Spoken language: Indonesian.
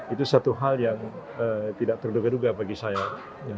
itu satu hal yang tidak terduga duga bagi saya